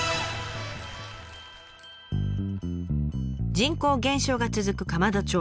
人口減少が続く釜戸町。